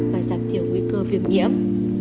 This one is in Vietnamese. và giảm thiểu nguy cơ viêm nhiễm